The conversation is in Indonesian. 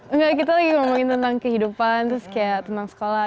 enggak kita lagi ngomongin tentang kehidupan terus kayak tentang sekolah